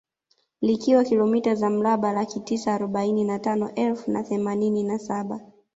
Likiwa kilomita za mraba Laki tisa arobaini na tano elfu na themanini na saba